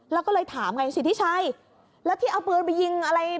แล้วก็เลยถามไงสิทธิชัยแล้วที่เอาปืนไปยิงอะไร